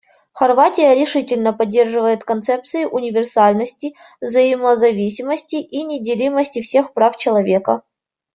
Хорватия решительно поддерживает концепции универсальности, взаимозависимости и неделимости всех прав человека.